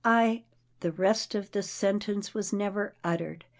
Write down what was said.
I —" The rest of the sentence was never uttered.